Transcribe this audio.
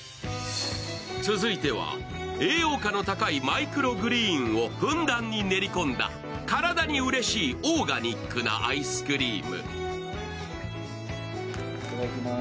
続いては栄養価の高いマイクログリーンをふんだんに練り込んだ体にうれしいオーガニックなアイスクリーム。